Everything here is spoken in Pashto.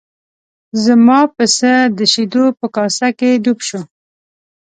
زما پسه د شیدو په کاسه کې ډوب شو.